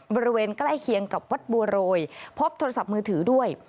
บริเวณใกล้เคียงกับวัดบัวโรยพบโทรศัพท์มือถือด้วย